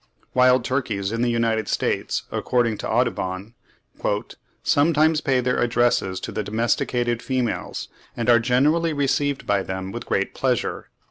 Wild turkeys in the United States, according to Audubon, "sometimes pay their addresses to the domesticated females, and are generally received by them with great pleasure."